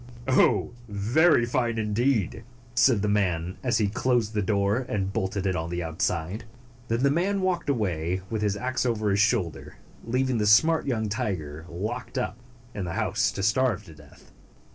"Oh, very fine, indeed!" said the man, as he closed the door and bolted it on the outside. Then the man walked away, with his ax over his shoulder, leaving the smart young tiger locked up in the house to starve to death.